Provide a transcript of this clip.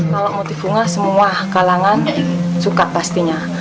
kalau motif bunga semua kalangan suka pastinya